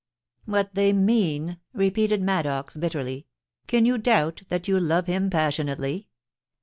* What they mean,' repeated Maddox, bitterly ;* can you doubt that you love him passionately